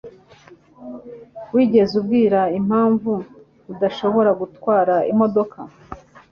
Wigeze ubwira impamvu udashobora gutwara imodoka?